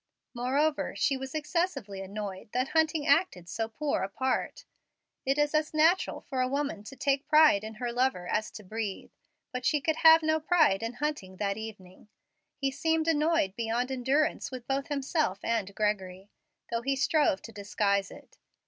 Moreover, she was excessively annoyed that Hunting acted so poor a part. It is as natural for a woman to take pride in her lover as to breathe, but she could have no pride in Hunting that evening. He seemed annoyed beyond endurance with both himself and Gregory, though he strove to disguise it.